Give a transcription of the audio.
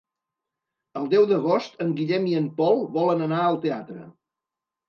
El deu d'agost en Guillem i en Pol volen anar al teatre.